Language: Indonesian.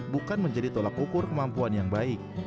bukan menjadi tolak ukur kemampuan yang baik